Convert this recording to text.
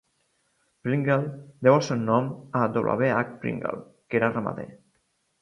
Pringle deu el seu nom a W. H. Pringle, que era ramader.